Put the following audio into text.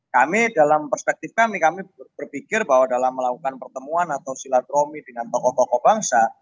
kami dalam perspektif kami kami berpikir bahwa dalam melakukan pertemuan atau silaturahmi dengan tokoh tokoh bangsa